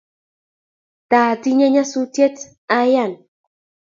taatinye nyasutiet ayan